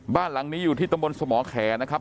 บ้านหลังนี้อยู่ที่ตำบลสมแขนะครับ